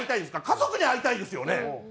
家族に会いたいですよね？